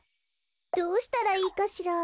どうしたらいいかしら。